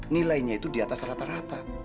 nilainya itu diatas rata rata